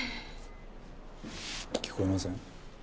聞こえません？